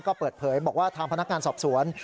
ก็เปิดเผยบอกว่าทางพนักงานสอบสวน